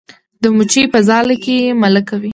د مچۍ په ځاله کې ملکه وي